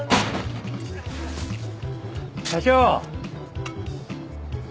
社長。